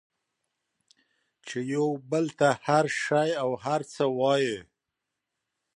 چې یو بل ته هر شی او هر څه وایئ